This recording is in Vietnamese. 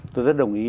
tôi rất đồng ý